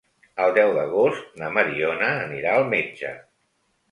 El deu d'agost na Mariona anirà al metge.